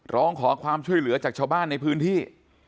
ร้องขอความช่วยเหลือจากชาวบ้านในพื้นที่